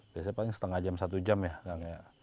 biasanya paling setengah jam satu jam ya